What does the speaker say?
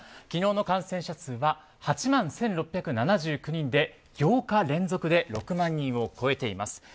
昨日の感染者数は８万１６７９人で８日連続で６万人を超えています。